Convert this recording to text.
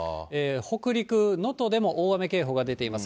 北陸、能登でも大雨警報が出ています。